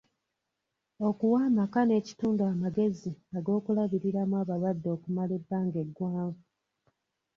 Okuwa amaka n’ekitundu amagezi ag’okulabiriramu abalwadde okumala ebbanga eggwanvu.